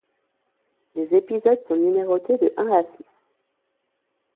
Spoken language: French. Les épisodes sont numérotés de un à six.